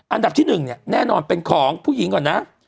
อันดับที่๑เนี่ยแน่นอนเป็นของผู้หญิงก่อนนะ